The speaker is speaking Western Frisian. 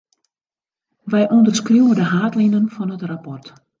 Wy ûnderskriuwe de haadlinen fan it rapport.